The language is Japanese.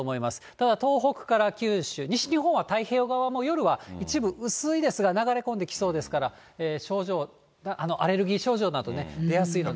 ただ東北から九州、西日本は太平洋側も夜は一部薄いですが、流れ込んできそうですから、アレルギー症状など出やすいので。